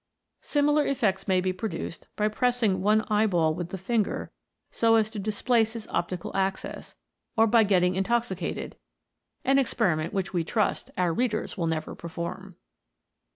Similar effects may be pro duced by pressing one eyeball with the finger so as to displace its optical axis, or by getting intoxicated, an experiment which we trust our readers will never perform.